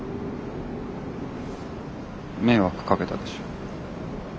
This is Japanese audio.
迷惑かけたでしょ。